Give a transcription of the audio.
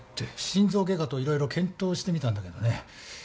心臓外科と色々検討してみたんだけどね。